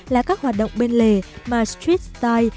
là các hoạt động bên lề mà street style